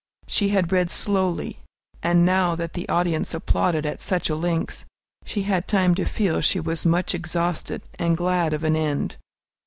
She had read slowly, and now that the audience applauded at such a length, she had time to feel she was much exhausted and glad of an end.